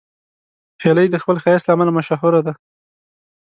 هیلۍ د خپل ښایست له امله مشهوره ده